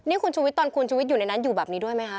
นี่คุณชุวิตตอนคุณชุวิตอยู่ในนั้นอยู่แบบนี้ด้วยไหมคะ